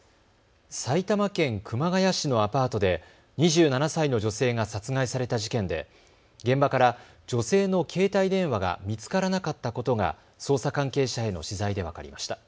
埼玉県熊谷市のアパートで２７歳の女性が殺害された事件で現場から、女性の携帯電話が見つからなかったことが捜査関係者への取材で分かりました。